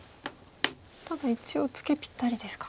ただ一応ツケぴったりですか。